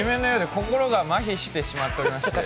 心がまひしてしまってまして。